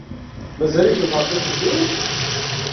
Mazal-ikem terfiḍ fell-i?